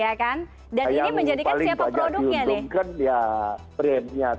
yang paling banyak diuntungkan ya brandnya